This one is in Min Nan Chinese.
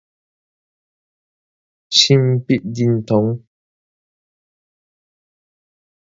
性別認同